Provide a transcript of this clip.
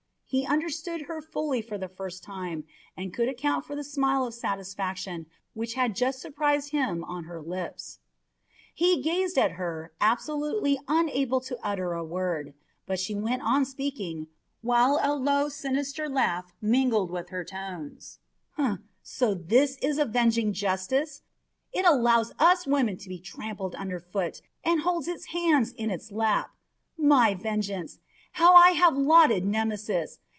he understood her fully for the first time, and could account for the smile of satisfaction which had just surprised him on her lips. He gazed at her, absolutely unable to utter a word; but she went on speaking, while a low, sinister laugh mingled with her tones: "So this is avenging justice! It allows us women to be trampled under foot, and holds its hands in its lap! My vengeance! How I have lauded Nemesis!